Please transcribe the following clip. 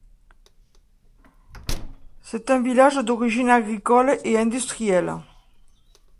C'est un village d'origine agricole et industrielle.